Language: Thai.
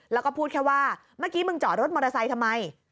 แล้วก็พูดแค่ว่าเมื่อกี้มึงจอดรถมอเตอร์ไซค์ทำไม